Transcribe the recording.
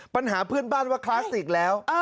ปัญหาเพื่อนบ้านว่าคลาสสิกแล้ว